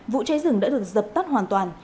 vụ cháy rừng đã được giật tắt hoàn toàn